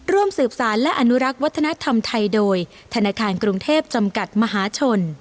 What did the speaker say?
ร่วมสืบสารและอนุรักษ์วัฒนธรรมไทยโดยธนาคารกรุงเทพจำกัดมหาชน